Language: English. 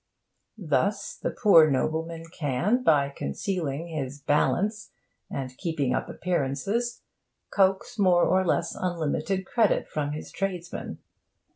Thus, the poor nobleman can, by concealing his 'balance' and keeping up appearances, coax more or less unlimited credit from his tradesman.